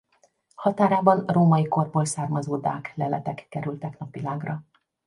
Határában római korból származó dák leletek kerültek napvilágra.